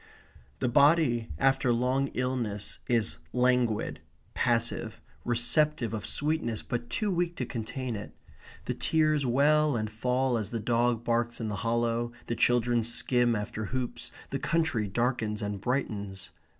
The body after long illness is languid, passive, receptive of sweetness, but too weak to contain it. The tears well and fall as the dog barks in the hollow, the children skim after hoops, the country darkens and brightens.